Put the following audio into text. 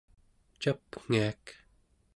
capngiak